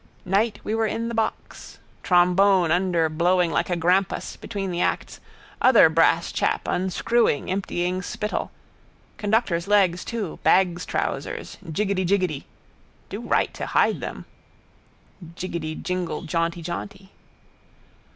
Night we were in the box. Trombone under blowing like a grampus, between the acts, other brass chap unscrewing, emptying spittle. Conductor's legs too, bagstrousers, jiggedy jiggedy. Do right to hide them. Jiggedy jingle jaunty jaunty.